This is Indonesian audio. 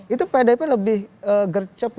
itu pdip lebih gercep